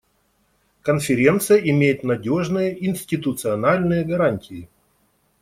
Конференция имеет надежные институциональные гарантии.